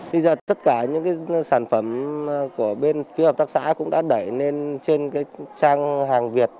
bây giờ tất cả những sản phẩm của bên phía hợp tác xã cũng đã đẩy lên trên cái trang hàng việt